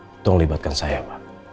untuk melibatkan saya pak